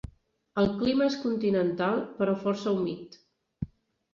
El clima és continental però força humit.